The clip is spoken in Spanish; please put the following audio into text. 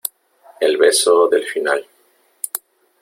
el beso del final .